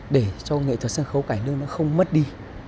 để cho nghệ thuật sân khấu cảnh đơn nó không mất đi